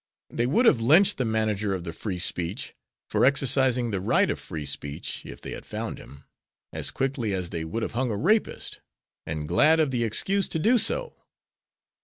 They would have lynched the manager of the Free Speech for exercising the right of free speech if they had found him as quickly as they would have hung a rapist, and glad of the excuse to do so.